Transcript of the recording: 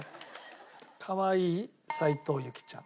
かわいい斉藤由貴ちゃん。